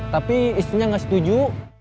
tapi istrinya gak setuju